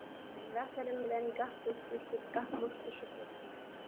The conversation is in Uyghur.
ھەمراھلىرىم بىلەن گاھ دوستلىشىپ، گاھ مۇشتلىشىپ ئۆتتۈم.